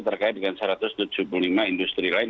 terkait dengan satu ratus tujuh puluh lima industri lain